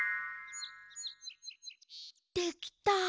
できた。